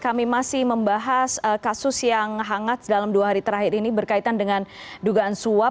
kami masih membahas kasus yang hangat dalam dua hari terakhir ini berkaitan dengan dugaan suap